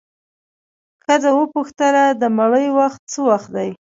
ښځه وپوښتله د مړي وخت څه وخت دی؟